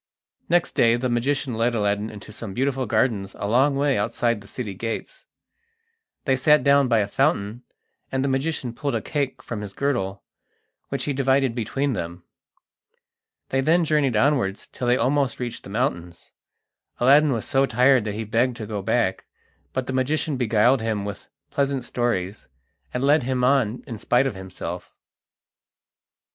Next day the magician led Aladdin into some beautiful gardens a long way outside the city gates. They sat down by a fountain, and the magician pulled a cake from his girdle, which he divided between them. They then journeyed onwards till they almost reached the mountains. Aladdin was so tired that he begged to go back, but the magician beguiled him with pleasant stories, and led him on in spite of himself.